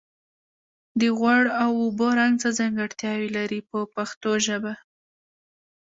د غوړ او اوبو رنګ څه ځانګړتیاوې لري په پښتو ژبه.